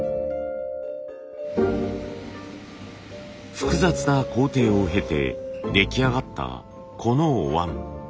複雑な工程を経て出来上がったこのお椀。